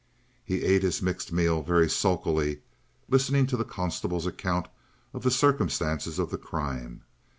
He ate his mixed meal very sulkily, listening to the constable's account of the circumstances of the crime.